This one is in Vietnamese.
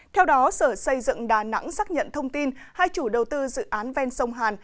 theo đó sở xây dựng đà nẵng xác nhận thông tin hai chủ đầu tư dự án ven sông hàn